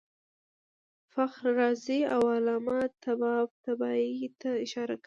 فخر رازي او علامه طباطبايي ته اشاره کوي.